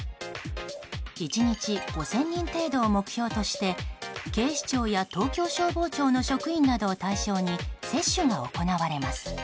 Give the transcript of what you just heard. １日５０００人程度を目標として警視庁や東京消防庁の職員などを対象に接種が行われます。